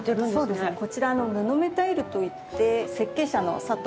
そうですね。